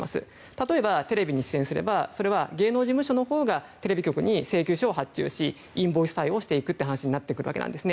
例えば、テレビに出演すれば芸能事務所のほうがテレビ局に請求書を発注しインボイス対応していくという話になっていくわけです。